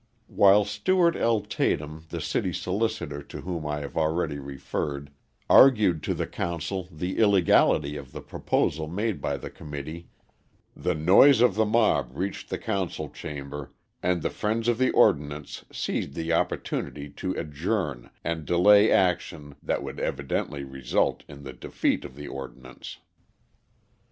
While Stewart L. Tatum the city solicitor to whom I have already referred, argued to the council the illegality of the proposal made by the committee the noise of the mob reached the council chamber and the friends of the ordinance seized the opportunity to adjourn and delay action that would evidently result in the defeat of the ordinance.